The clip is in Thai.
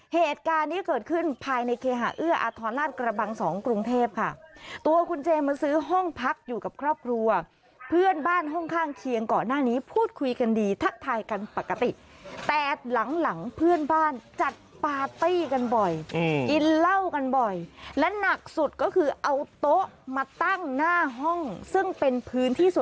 เหตุการณ์นี้เกิดขึ้นภายในเคหาเอื้ออาทรลาดกระบังสองกรุงเทพค่ะตัวคุณเจมาซื้อห้องพักอยู่กับครอบครัวเพื่อนบ้านห้องข้างเคียงก่อนหน้านี้พูดคุยกันดีทักทายกันปกติแต่หลังหลังเพื่อนบ้านจัดปาร์ตี้กันบ่อยกินเหล้ากันบ่อยและหนักสุดก็คือเอาโต๊ะมาตั้งหน้าห้องซึ่งเป็นพื้นที่ส